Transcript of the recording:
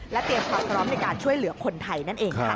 และเตรียมพร้อมในการช่วยเหลือคนไทยนั่นเอง